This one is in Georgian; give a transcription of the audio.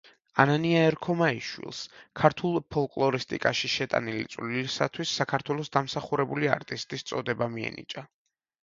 ანანია ერქომაიშვილს ქართულ ფოლკლორისტიკაში შეტანილი წვლილისათვის საქართველოს დამსახურებული არტისტის წოდება მიენიჭა.